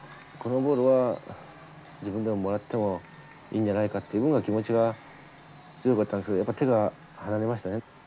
このボールは自分でももらってもいいんじゃないかって気持ちは強かったんですけどやっぱ手から離れましたね。